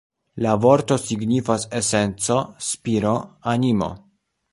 La vorto signifas "esenco, spiro, animo".